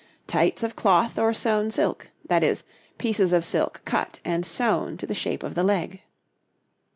Tights of cloth or sewn silk that is, pieces of silk cut and sewn to the shape of the leg.